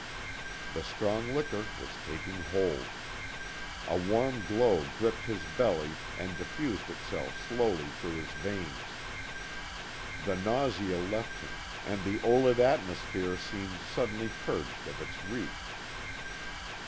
The strong liquor was taking hold. A warm glow gripped his belly and diffused itself slowly through his veins. The nausea left him, and the olid atmosphere seemed suddenly purged of its reek.